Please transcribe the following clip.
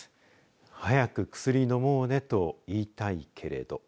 早く薬飲もうねと言いたいけれど。